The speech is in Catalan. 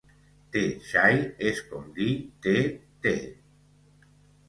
Tè Chai és com dir tè tè!